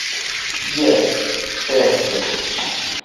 Jes, certe!